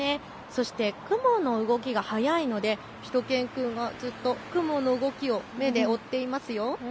そして雲の動きが速いのでしゅと犬くんはずっと雲の動きを目で追っていますよ。